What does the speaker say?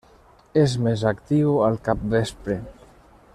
És més actiu al capvespre.